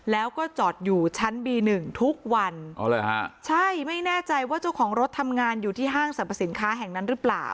แล้วก็จอดอยู่ชั้นบีหนึ่งทุกวันใช่ไม่แน่ใจว่าเจ้าของรถทำงานอยู่ที่ห้างสรรพสินค้าแห่งนั้นหรือเปล่า